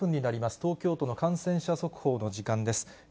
東京都の感染者速報の時間です。